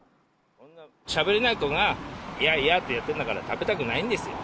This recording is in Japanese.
しゃべれない子が、いやいやってやってるんだから、食べたくないんですよ。